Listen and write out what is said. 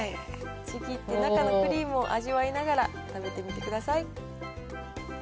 ちぎって中のクリームを味わいながら食べてみてください。